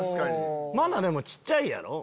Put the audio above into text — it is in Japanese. まだでも小っちゃいやろ？